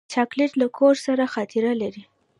چاکلېټ له کور سره خاطره لري.